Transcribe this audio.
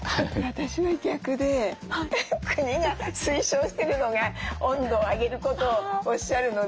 私は逆で国が推奨してるのが温度を上げることをおっしゃるので。